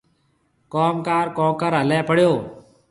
ڪوم ڪار ڪونڪر هليَ پڙيو؟